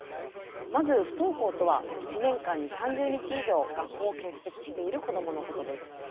まず不登校とは１年間に３０日以上学校を欠席している子どものことです。